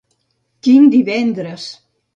Quin divendres!